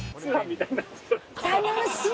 楽しい！